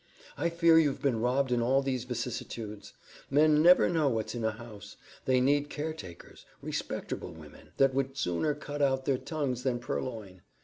I fear you've been robbed in all these vicissitudes. Men never know what's in a house. They need caretakers; respecterble women, that would sooner cut out their tongues than purloin.